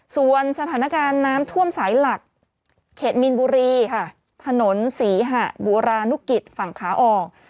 ส่วนสถานการณ์น้ำท่วมสายหลักเขตมีนบุรีค่ะถนนศรีหะบูรานุกิจฝั่งขาออก